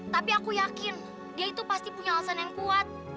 tapi aku yakin dia itu pasti punya alasan yang kuat